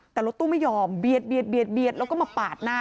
แต่รถตู้ไม่ยอมเบียดแล้วก็มาปาดหน้า